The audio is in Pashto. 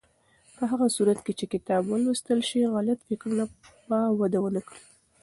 په هغه صورت کې چې کتاب ولوستل شي، غلط فکرونه به وده ونه کړي.